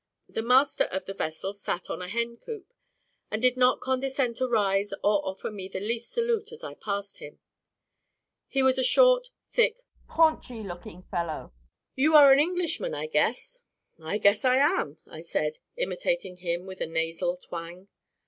The master of the vessel sat on a hen coop, and did not condescend to rise or offer me the least salute as I passed him; he was a short, thick, paunchy looking fellow. "You are an Englishman, I guess?" "I guess I am," I said, imitating him with a nasal twang.